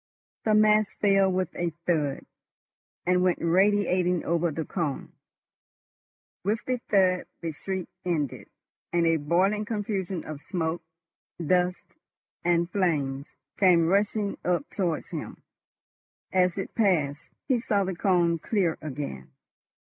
The mass fell with a thud, and went radiating over the cone. With the thud the shriek ended, and a boiling confusion of smoke, dust, and flame came rushing up towards him. As it passed, he saw the cone clear again.